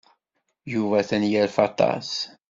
Yuba atan yerfa aṭas.